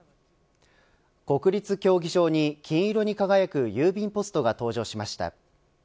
国立競技場に金色に輝く郵便ポストが登場しました。